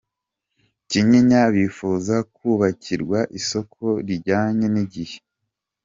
Kinyinya Bifuza kubakirwa isoko rijyanye n’igihe